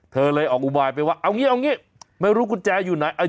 เธอเลยออกอุบายไปว่าเอางี้เอางี้ไม่รู้กุญแจอยู่ไหน